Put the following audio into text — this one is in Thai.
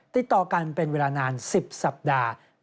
ติดต่อกันเป็นเวลานาน๑๐สัปดาห์